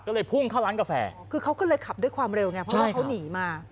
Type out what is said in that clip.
ก็เลยพุ่งเข้าร้านกาแฟคือเขาก็เลยขับด้วยความเร็วไงเพราะว่าเขาหนีมา